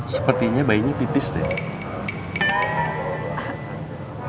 sepertinya bayinya pipis debi